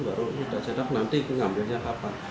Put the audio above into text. baru kita cetak nanti pengambilnya kapan